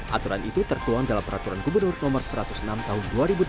aturan itu tertuang dalam peraturan gubernur no satu ratus enam tahun dua ribu delapan belas